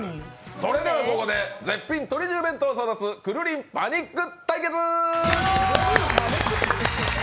それではここで絶品とり重弁当争奪「くるりんパニック」対決。